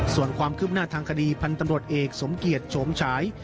ส่วนความคืบหน้าทางคดีพันธ์ตำรวจเอกสมเกียจโฉมฉาย